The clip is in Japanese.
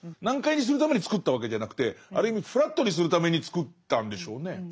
難解にするために作ったわけじゃなくてある意味フラットにするために作ったんでしょうね。